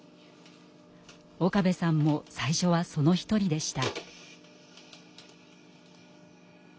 岡部さんも最初はその一人でした。